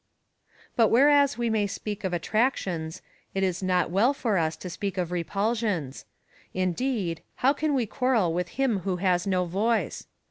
But whereas we may speak of attractions, it is not well for us to speak of repulsions. Indeed, how can we quarrel with him, who has no voice?